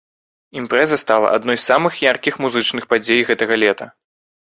Імпрэза стала адной з самых яркіх музычных падзей гэтага лета.